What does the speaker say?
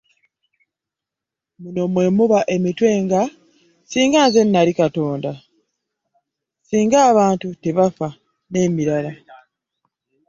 Muno mwe muba emitwe nga, “Singa nze nnali Katonda’, “Singa abantu baali tebafa”, n’emirala.